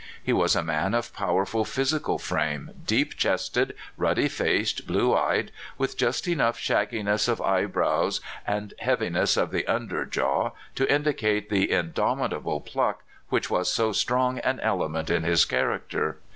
He was a man of powerful physical frame, deep chested, ruddy faced, blue eyed, with just enough shagginess of eyebrows and heaviness of the under jaw to indi cate the indomitable pluck which was so strong an element in his character.